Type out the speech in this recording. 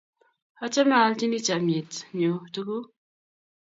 achame a alchini chamyet nyu tuguk